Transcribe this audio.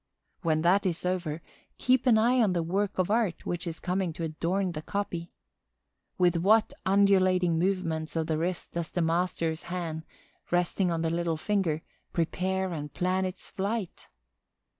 When that is over keep an eye on the work of art which is coming to adorn the copy! With what undulating movements of the wrist does the master's hand, resting on the little finger, prepare and plan its flight!